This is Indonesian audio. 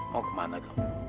mau ke mana kam